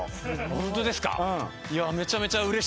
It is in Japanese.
ホントですか？